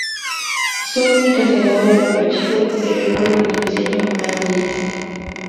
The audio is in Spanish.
Son únicas en la obra de Palladio y recuerdan al diseño manierista.